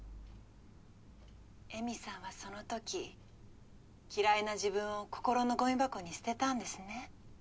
江美さんはそのとき「嫌いな自分」を心のゴミ箱に捨てたんですね。